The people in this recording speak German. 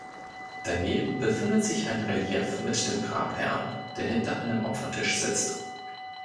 Daneben befindet sich ein Relief mit dem Grabherrn, der hinter einem Opfertisch sitzt.